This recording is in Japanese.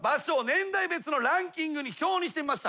年代別のランキングに表にしてみました。